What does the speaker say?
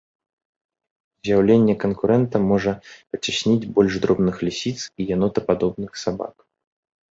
З'яўленне канкурэнта можа пацясніць больш дробных лісіц і янотападобных сабак.